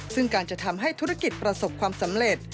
ซึ่งการจะทำให้ธุรกิจประสบความสำเร็จ